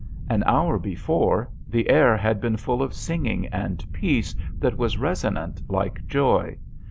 An hour before the air had been full of singing and peace that was resonant like joy.